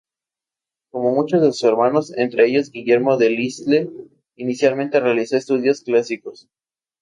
Como muchos de sus hermanos, entre ellos Guillermo Delisle, inicialmente realizó estudios clásicos.